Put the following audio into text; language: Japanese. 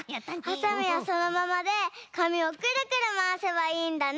はさみはそのままでかみをくるくるまわせばいいんだね！